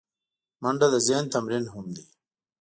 منډه د ذهن تمرین هم دی